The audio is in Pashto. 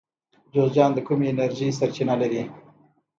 جوزجان د کومې انرژۍ سرچینه لري؟